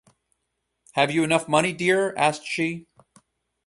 “Have you enough money, dear?” asked she.